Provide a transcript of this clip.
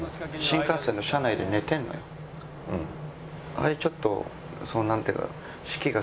あれちょっとそのなんていうか。